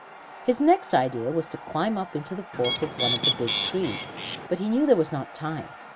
His next idea was to climb 'up into the fork of one of the big trees, but he knew that there was not time.